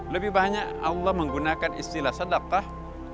lebih banyak allah menggunakan istilah sedaptah